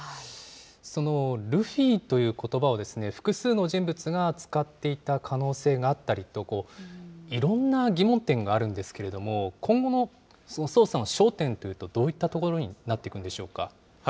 そのルフィということばを、複数の人物が使っていた可能性があったりと、いろんな疑問点があるんですけれども、今後の捜査の焦点というと、どういったところになっていくんでしょうか。